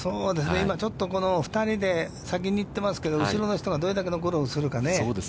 今ちょっと２人で先に行ってますけど、後ろの人がどれだけのゴルフをするかね。